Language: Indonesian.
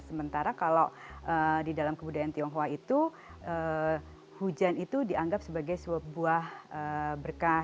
sementara kalau di dalam kebudayaan tionghoa itu hujan itu dianggap sebagai sebuah berkah